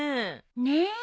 ねえ。